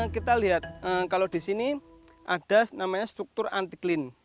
kita lihat kalau di sini ada namanya struktur antiklin